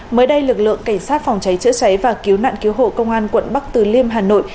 mới đây lực lượng cảnh sát phòng cháy chữa cháy và cứu nạn cứu hộ công an quận bắc từ liêm hà nội